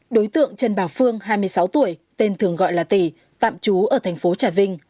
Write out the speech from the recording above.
đối tượng trần bà phương hai mươi sáu tuổi tên thường gọi là tỷ tạm trú ở thành phố trà vinh